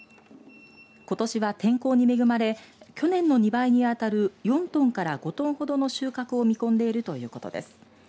ことしは、天候に恵まれ去年の２倍にあたる４トンから５トンほどの収穫を見込んでいるということです。